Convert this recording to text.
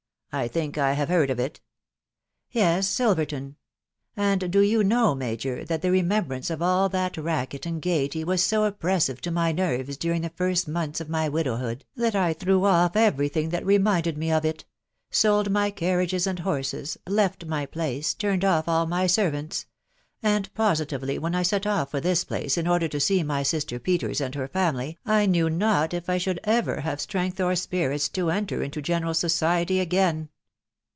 .... I think I have heard of it" " Yes, Silverton. .•. And do you know, major, that the remembrance of all that racket and gaiety was so oppressive to my nerves during the first months of my widowhood, that I threw off every thing that reminded me of it ««*% w&Al wi €arri*g& und bona, let my place, turned off a&ix^ ieiNWQft&% o 194 THE WIDOW BARNABY. and positively, when I sot off for this place in order to gee my sister Peters and her family, I knew not if I should ever have strength or spirits to enter into general society again."